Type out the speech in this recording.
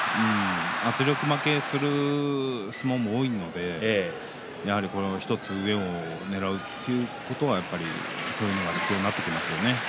圧力負けする相撲も多いのでやはり１つ上をねらうということはそういうことが必要になってきますね。